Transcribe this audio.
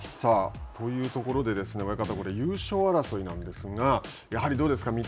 さあ、というところで親方、優勝争いなんですがやはりどうですか。